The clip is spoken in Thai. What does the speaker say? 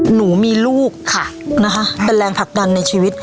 หนูมีลูกค่ะนะคะเป็นแรงผลักดันในชีวิต